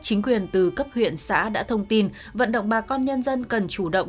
chính quyền từ cấp huyện xã đã thông tin vận động bà con nhân dân cần chủ động